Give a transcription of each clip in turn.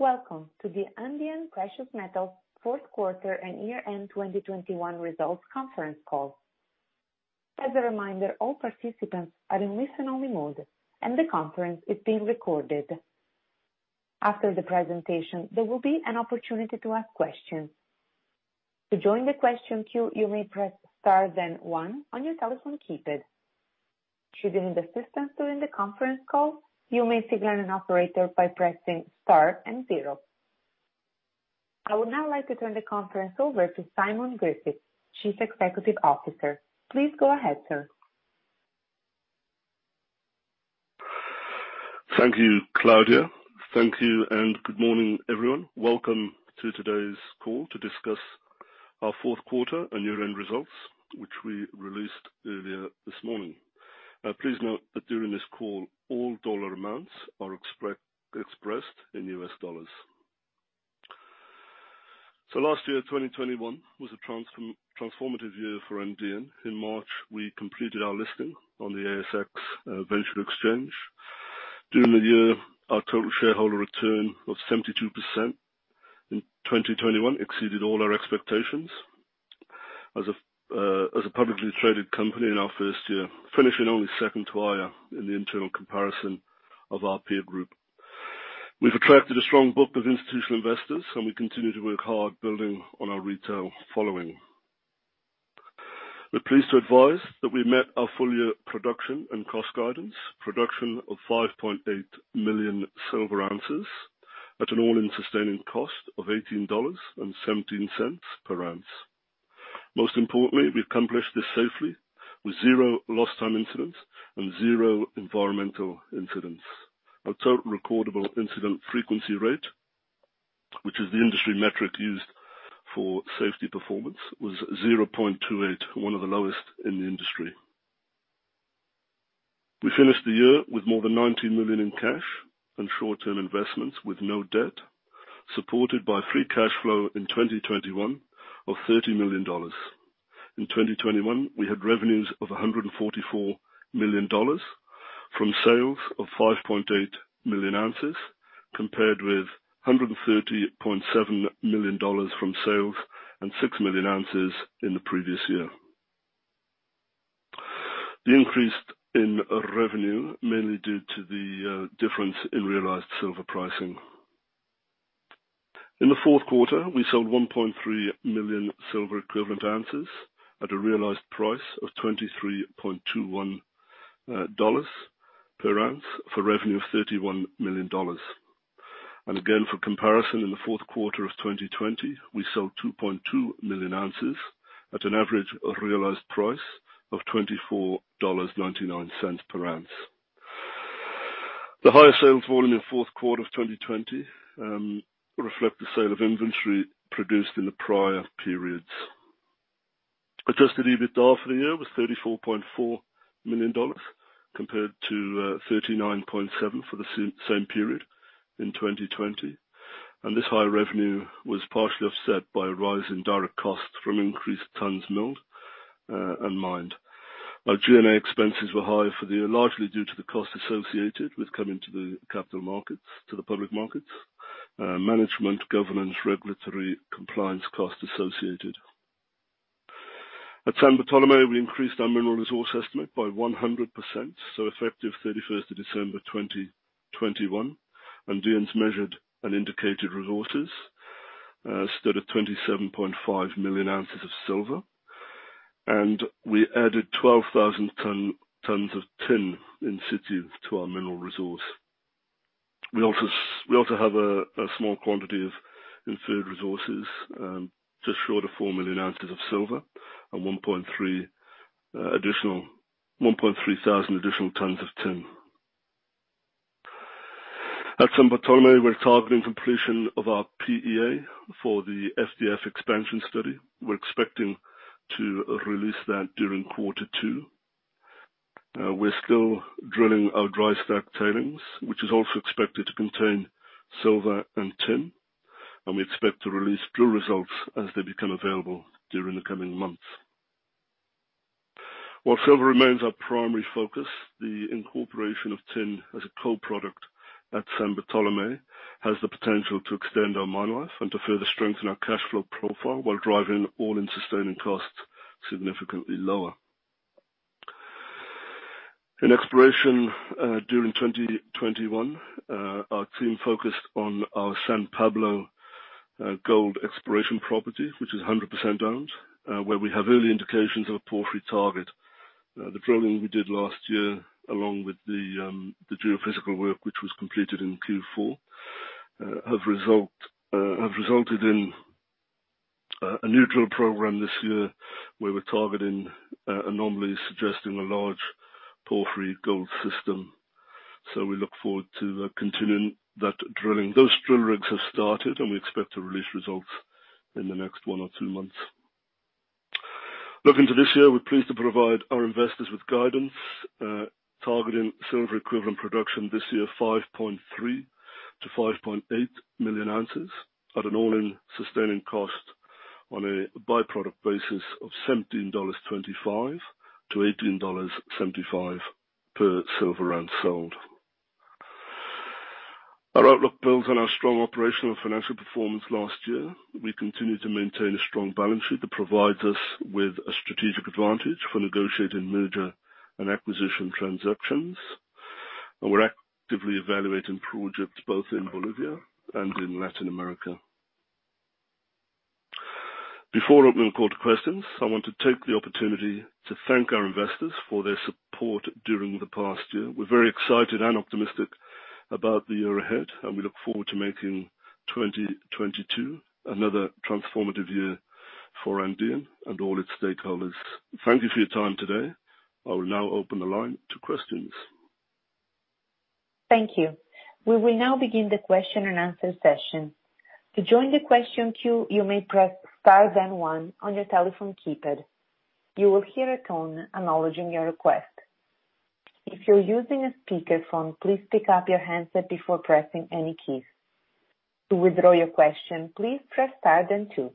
Welcome to the Andean Precious Metals fourth quarter and year-end 2021 results conference call. As a reminder, all participants are in listen-only mode, and the conference is being recorded. After the presentation, there will be an opportunity to ask questions. To join the question queue, you may press star then one on your telephone keypad. Should you need assistance during the conference call, you may signal an operator by pressing star and zero. I would now like to turn the conference over to Simon Griffiths, Chief Executive Officer. Please go ahead, sir. Thank you, Claudia. Thank you and good morning, everyone. Welcome to today's call to discuss our fourth quarter and year-end results, which we released earlier this morning. Please note that during this call, all dollar amounts are expressed in US dollars. Last year, 2021 was a transformative year for Andean. In March, we completed our listing on the TSX Venture Exchange. During the year, our total shareholder return was 72%. In 2021 we exceeded all our expectations as a publicly traded company in our first year, finishing only second to Aya in the internal comparison of our peer group. We've attracted a strong book of institutional investors, and we continue to work hard building on our retail following. We're pleased to advise that we met our full year production and cost guidance. Production of 5.8 million oz of silver at an all-in sustaining cost of $18.17/oz. Most importantly, we've accomplished this safely with zero lost time incidents and zero environmental incidents. Our Total Recordable Incident Frequency Rate, which is the industry metric used for safety performance, was 0.28, one of the lowest in the industry. We finished the year with more than $90 million in cash and short-term investments with no debt, supported by free cash flow in 2021 of $30 million. In 2021, we had revenues of $144 million from sales of 5.8 million oz, compared with $130.7 million from sales of 6 million oz in the previous year. The increase in revenue, mainly due to the difference in realized silver pricing. In the fourth quarter, we sold 1.3 million silver equivalent ounces at a realized price of $23.21/oz for revenue of $31 million. Again, for comparison, in the fourth quarter of 2020, we sold 2.2 million oz at an average realized price of $24.99/oz. The higher sales volume in fourth quarter of 2020 reflect the sale of inventory produced in the prior periods. Adjusted EBITDA for the year was $34.4 million, compared to $39.7 million for the same period in 2020. This higher revenue was partially offset by a rise in direct costs from increased tons milled and mined. Our G&A expenses were higher for the year, largely due to the cost associated with coming to the capital markets, to the public markets, management, governance, regulatory compliance costs associated. At San Bartolomé, we increased our mineral resource estimate by 100%, so effective December 31st, 2021, and then measured and indicated resources stood at 27.5 million oz of silver, and we added 12,000 tons of tin in-situ to our mineral resource. We also have a small quantity of inferred resources, just short of 4million oz of silver and 1,300 additional tons of tin. At San Bartolomé, we're targeting completion of our PEA for the FDF expansion study. We're expecting to release that during quarter two. We're still drilling our dry stack tailings, which is also expected to contain silver and tin, and we expect to release drill results as they become available during the coming months. While silver remains our primary focus, the incorporation of tin as a co-product at San Bartolomé has the potential to extend our mine life and to further strengthen our cash flow profile while driving all-in sustaining costs significantly lower. In exploration, during 2021, our team focused on our San Pablo gold exploration property, which is 100% owned, where we have early indications of a porphyry target. The drilling we did last year, along with the geophysical work which was completed in Q4, have resulted in a new drill program this year where we're targeting anomalies suggesting a large porphyry gold system. We look forward to continuing that drilling. Those drill rigs have started, and we expect to release results in the next one or two months. Looking to this year, we're pleased to provide our investors with guidance targeting silver equivalent production this year, 5.3 million oz-5.8 million oz at an all-in sustaining cost of, on a by-product basis, $17.25/oz-$18.75/oz of silver sold. Our outlook builds on our strong operational financial performance last year. We continue to maintain a strong balance sheet that provides us with a strategic advantage for negotiating merger and acquisition transactions, and we're actively evaluating projects both in Bolivia and in Latin America. Before opening the call to questions, I want to take the opportunity to thank our investors for their support during the past year. We're very excited and optimistic about the year ahead, and we look forward to making 2022 another transformative year for Andean and all its stakeholders. Thank you for your time today. I will now open the line to questions. Thank you. We will now begin the question-and-answer session. To join the question queue, you may press star then one on your telephone keypad. You will hear a tone acknowledging your request. If you're using a speakerphone, please pick up your handset before pressing any keys. To withdraw your question, please press star then two.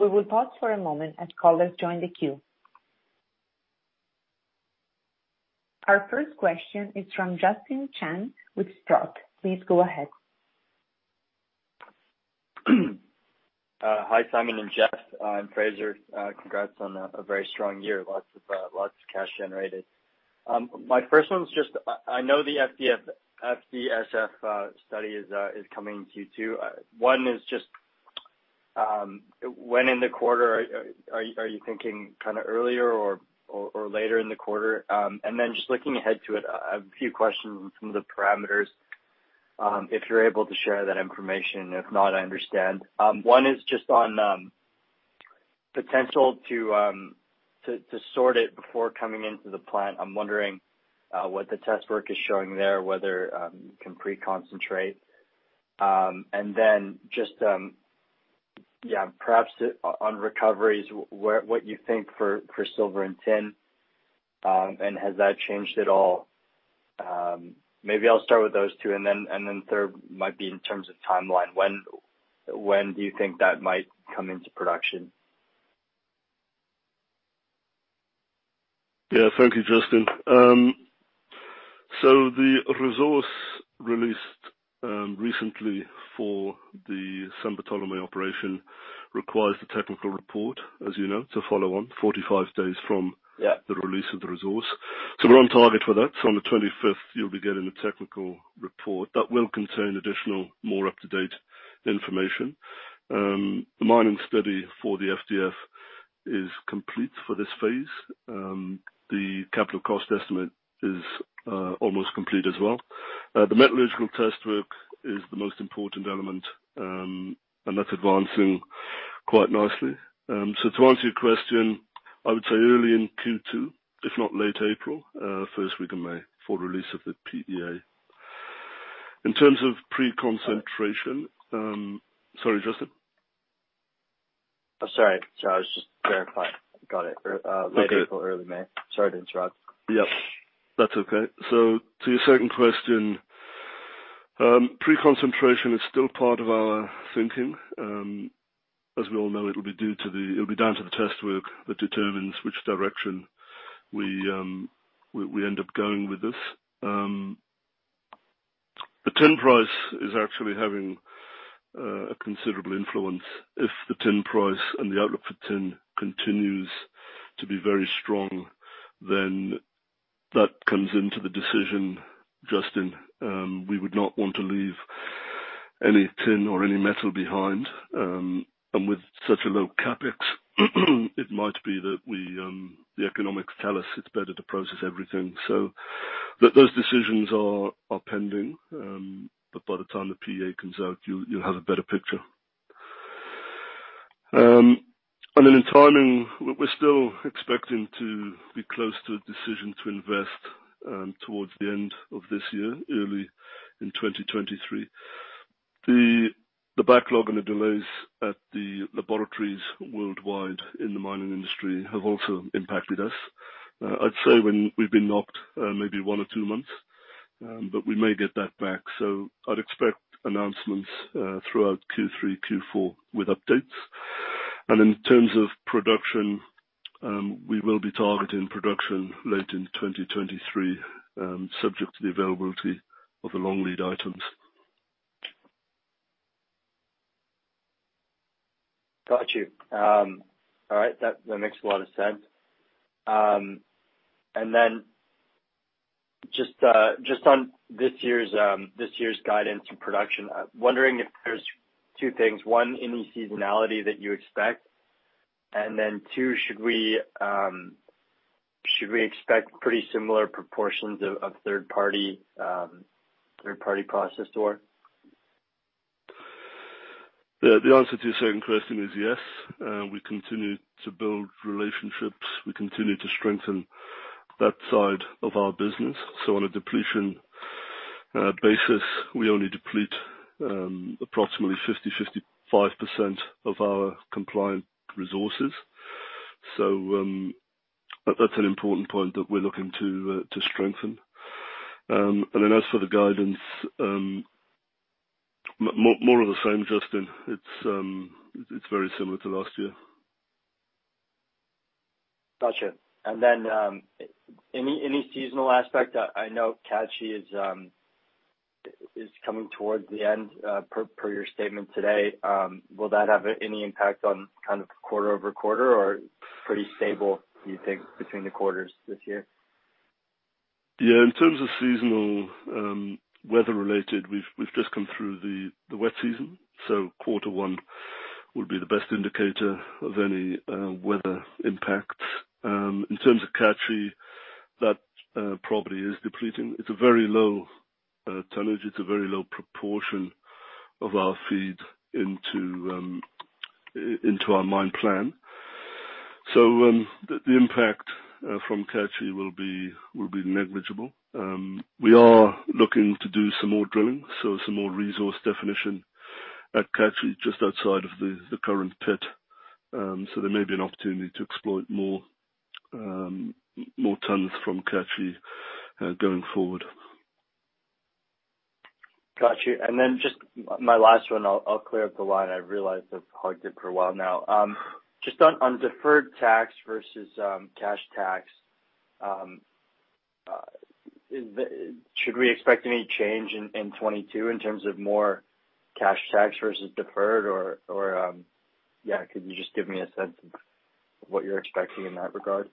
We will pause for a moment as callers join the queue. Our first question is from Justin Chan with Sprott. Please go ahead. Hi, Simon and Jeff. I'm Fraser. Congrats on a very strong year. Lots of cash generated. My first one's just I know the FDF-DSF study is coming Q2. One is just when in the quarter are you thinking kinda earlier or later in the quarter? And then just looking ahead to it, a few questions on some of the parameters, if you're able to share that information. If not, I understand. One is just on potential to sort it before coming into the plant. I'm wondering what the test work is showing there, whether you can pre-concentrate. And then just yeah, perhaps on recoveries, what you think for silver and tin, and has that changed at all? Maybe I'll start with those two and then third might be in terms of timeline. When do you think that might come into production? Yeah. Thank you, Justin. The resource release recently for the San Bartolomé operation requires the technical report, as you know, to follow on 45 days from- Yeah. The release of the resource. We're on target for that. On the 25th, you'll be getting the technical report. That will contain additional, more up-to-date information. The mining study for the FDF is complete for this phase. The capital cost estimate is almost complete as well. The metallurgical test work is the most important element, and that's advancing quite nicely. To answer your question, I would say early in Q2, if not late April, first week of May for release of the PEA. In terms of pre-concentration, Sorry, Justin? Oh, sorry. I was just verifying. Got it. Okay. Late April, early May. Sorry to interrupt. Yes. That's okay. To your second question, pre-concentration is still part of our thinking. As we all know, it'll be down to the test work that determines which direction we end up going with this. The tin price is actually having a considerable influence. If the tin price and the outlook for tin continues to be very strong, then that comes into the decision, Justin. We would not want to leave any tin or any metal behind. With such a low CapEx, it might be that the economics tell us it's better to process everything. Those decisions are pending, but by the time the PEA comes out, you'll have a better picture. In timing, we're still expecting to be close to a decision to invest, towards the end of this year, early in 2023. The backlog and the delays at the laboratories worldwide in the mining industry have also impacted us. I'd say when we've been knocked, maybe one or two months, but we may get that back. I'd expect announcements throughout Q3, Q4 with updates. In terms of production, we will be targeting production late in 2023, subject to the availability of the long lead items. Got you. All right. That makes a lot of sense. Just on this year's guidance and production, I'm wondering if there's two things. One, any seasonality that you expect. Two, should we expect pretty similar proportions of third-party processed ore? The answer to your second question is yes. We continue to build relationships. We continue to strengthen that side of our business. On a depletion basis, we only deplete approximately 50%-55% of our compliant resources. That's an important point that we're looking to strengthen. As for the guidance, more of the same, Justin. It's very similar to last year. Gotcha. Any seasonal aspect? I know Catri is coming towards the end, per your statement today. Will that have any impact on kind of quarter-over-quarter or pretty stable, do you think, between the quarters this year? Yeah, in terms of seasonal, weather-related, we've just come through the wet season, so quarter one will be the best indicator of any weather impacts. In terms of Catri, that property is depleting. It's a very low tonnage. It's a very low proportion of our feed into our mine plan. The impact from Catri will be negligible. We are looking to do some more drilling, so some more resource definition at Catri just outside of the current pit. There may be an opportunity to exploit more tons from Catri going forward. Got you. Then just my last one. I'll clear up the line. I realize I've hogged it for a while now. Just on deferred tax versus cash tax, should we expect any change in 2022 in terms of more cash tax versus deferred or yeah, could you just give me a sense of what you're expecting in that regard?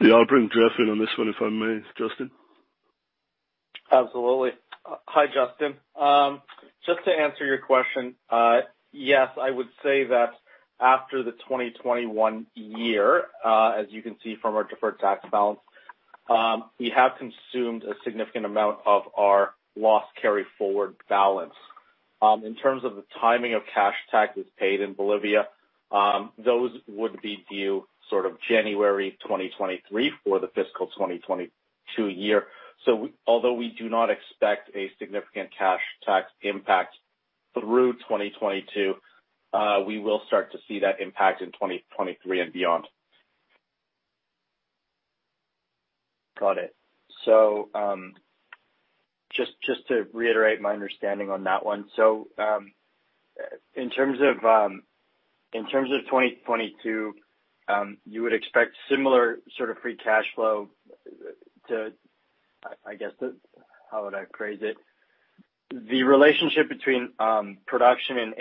Yeah, I'll bring Drew in on this one, if I may, Justin. Absolutely. Hi, Justin. Just to answer your question, yes, I would say that after the 2021 year, as you can see from our deferred tax balance, we have consumed a significant amount of our loss carryforward balance. In terms of the timing of cash tax that's paid in Bolivia, those would be due sort of January 2023 for the fiscal 2022 year. Although we do not expect a significant cash tax impact through 2022, we will start to see that impact in 2023 and beyond. Got it. Just to reiterate my understanding on that one. In terms of 2022, you would expect similar sort of free cash flow to, I guess, how would I phrase it, the relationship between production in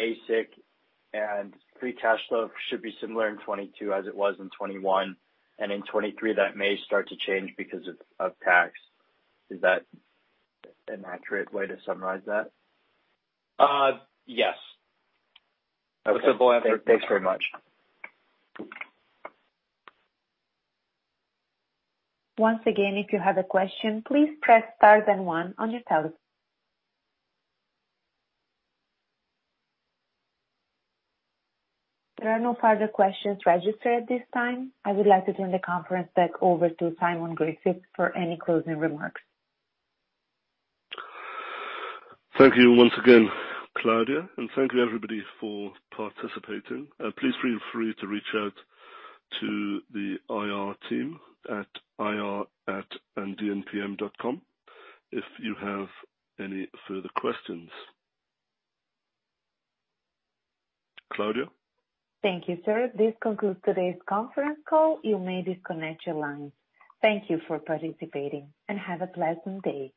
AISC and free cash flow should be similar in 2022 as it was in 2021, and in 2023, that may start to change because of tax. Is that an accurate way to summarize that? Yes. Okay. Simple answer. Thanks very much. Once again, if you have a question, please press star then One on your telephone. There are no further questions registered at this time. I would like to turn the conference back over to Simon Griffiths for any closing remarks. Thank you once again, Claudia, and thank you everybody for participating. Please feel free to reach out to the IR team at ir@andeanpm.com if you have any further questions. Claudia? Thank you, sir. This concludes today's conference call. You may disconnect your lines. Thank you for participating, and have a pleasant day.